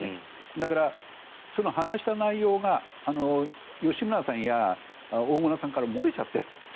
だから、その話した内容が吉村さんや大村さんから漏れちゃっている。